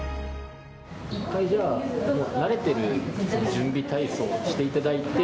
一回、慣れている準備体操をしていただいて。